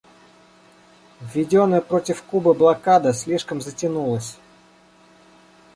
Введенная против Кубы блокада слишком затянулась.